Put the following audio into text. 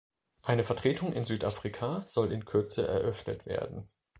Eine Vertretung in Südafrika soll in Kürze eröffnet werden.